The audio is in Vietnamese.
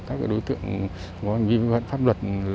các đối tượng có hành vi vi phạm pháp luật